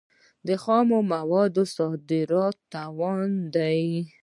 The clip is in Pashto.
د خامو موادو صادرات تاوان دی.